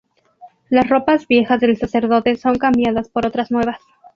Las ropas viejas del sacerdote son cambiadas por otras nuevas.